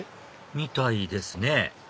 みたいですね